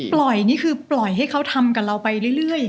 นี่คือปล่อยให้เขาทำกับเราไปเรื่อย